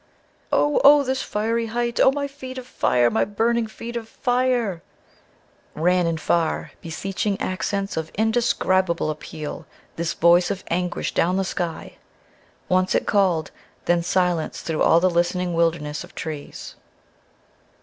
"Oh! oh! This fiery height! Oh, my feet of fire! My burning feet of fire ...!" ran in far, beseeching accents of indescribable appeal this voice of anguish down the sky. Once it called then silence through all the listening wilderness of trees.